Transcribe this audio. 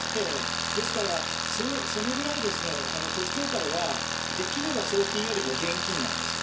ですから、そのぐらい統一教会は、できれば送金よりも現金なんです。